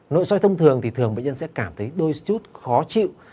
nội soi thông thường thì thường bệnh nhân sẽ cảm thấy đôi chút khó chịu